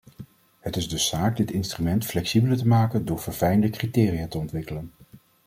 Het is dus zaak dit instrument flexibeler te maken door verfijnder criteria te ontwikkelen.